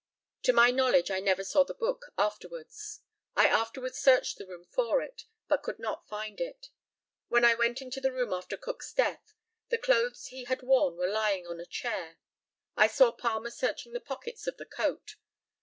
To my knowledge I never saw the book afterwards. I afterwards searched the room for it, but could not find it. When I went into the room after Cook's death, the clothes he had worn were lying on a chair. I saw Palmer searching the pockets of the coat.